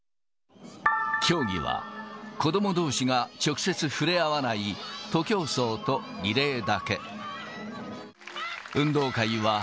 競技は子どもどうしが直接触れ合わない、徒競走とリレーだけ。